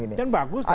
dan bagus menurut saya